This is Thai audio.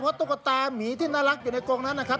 ตุ๊กตามีที่น่ารักอยู่ในกรงนั้นนะครับ